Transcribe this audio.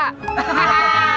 duduknya yang betul semuanya